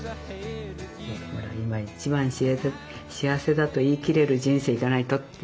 今一番幸せだと言い切れる人生じゃないとって。